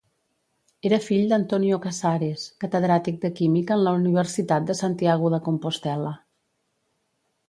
Era fill d'Antonio Casares, catedràtic de química en la Universitat de Santiago de Compostel·la.